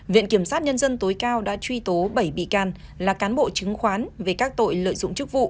viện kiểm sát nhân dân tối cao đã truy tố bảy bị can là cán bộ chứng khoán về các tội lợi dụng chức vụ